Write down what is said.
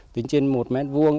tính trên một mét vuông